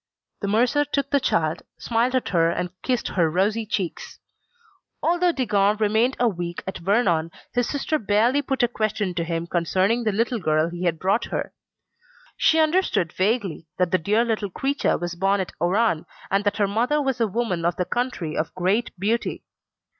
The mercer took the child, smiled at her and kissed her rosy cheeks. Although Degans remained a week at Vernon, his sister barely put a question to him concerning the little girl he had brought her. She understood vaguely that the dear little creature was born at Oran, and that her mother was a woman of the country of great beauty.